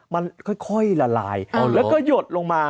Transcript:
มันค่อยละลายแล้วก็หยดลงมา